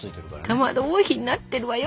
かまど王妃になってるわよ。